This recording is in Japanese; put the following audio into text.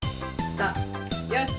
さあよし！